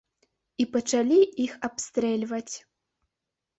І пачалі іх абстрэльваць.